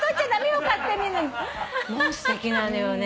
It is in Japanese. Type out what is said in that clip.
すてきなのよね。